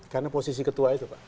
karena posisi ketua itu pak